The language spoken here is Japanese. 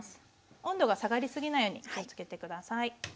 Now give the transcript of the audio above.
温度が下がりすぎないように気をつけて下さい。